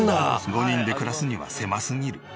５人で暮らすには狭すぎる。